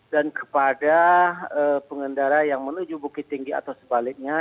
dan kepada pengendara yang menuju bukit tinggi atau sebaliknya